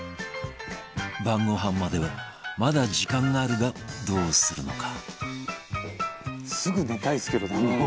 晩ご飯まではまだ時間があるがどうするのか？